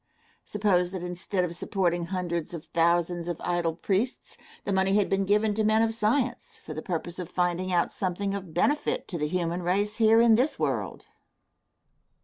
Suppose that instead of supporting hundreds of thousands of idle priests, the money had been given to men of science, for the purpose of finding out something of benefit to the human race here in this world.